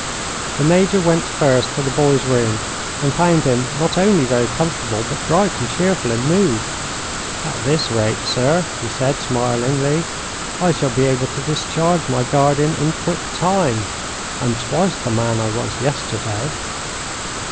The Major went first to the boy's room, and found him not only very comfortable, but bright and cheerful in mood. "At this rate, sir," he said, smilingly, "I shall be able to discharge my guardian in quick time. I'm twice the man I was yesterday."